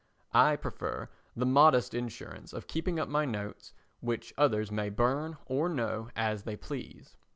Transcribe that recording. I prefer the modest insurance of keeping up my notes which others may burn or no as they please.